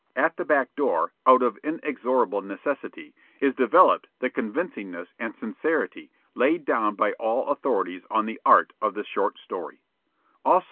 At the back door, out of inexorable necessity, is developed the convincingness and sincerity laid down by all authorities on the art of the short story.